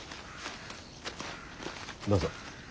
どうぞ。